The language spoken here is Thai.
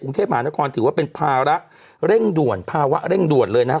กรุงเทพมหานครถือว่าเป็นภาระเร่งด่วนภาวะเร่งด่วนเลยนะครับ